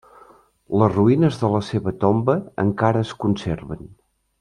Les ruïnes de la seva tomba encara es conserven.